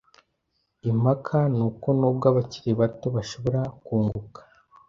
Impaka ni uko nubwo abakiri bato bashobora kunguka